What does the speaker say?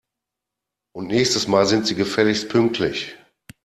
Und nächstes Mal sind Sie gefälligst pünktlich!